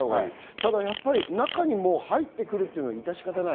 ただ中に入ってくるというのは致し方ない。